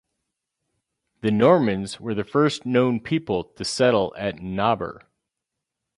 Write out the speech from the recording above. The Normans were the first known people to settle at Nobber.